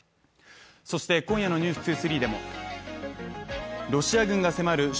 そして今夜の「ｎｅｗｓ２３」でもロシア軍が迫る